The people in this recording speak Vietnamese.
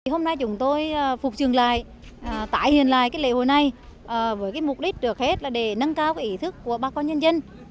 hôm nay chúng tôi phục trường lại tải hiện lại cái lễ hội này với mục đích được hết là để nâng cao cái ý thức của bà con nhân dân